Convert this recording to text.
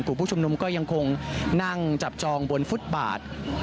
ผู้ชุมนุมก็ยังคงนั่งจับจองบนฟุตบาท